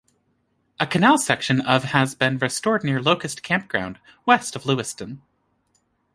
A canal section of has been restored near Locust Campground, west of Lewistown.